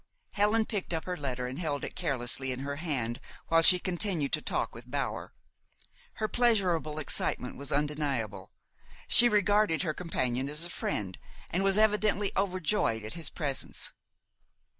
Helen picked up her letter and held it carelessly in her hand while she continued to talk with Bower. Her pleasurable excitement was undeniable. She regarded her companion as a friend, and was evidently overjoyed at his presence.